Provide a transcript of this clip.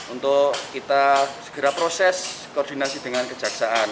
untuk kita segera proses koordinasi dengan kejaksaan